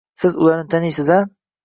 Siz ularni taniysiz-a?